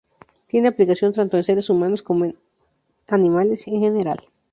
Tiene aplicación tanto en seres humanos como en animales en general.